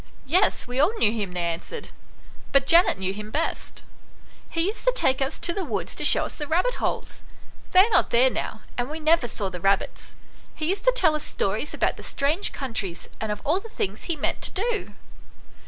" Yes, we all knew him," they answered, " but Janet knew him best. He used to take us to the woods to show us the rabbit holes. They are not there now, and we never saw the rabbits. He used to tell us stories about the strange countries, and of all the things he meant to do."